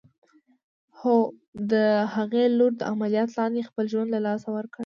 هو! د هغې لور د عمليات لاندې خپل ژوند له لاسه ورکړ.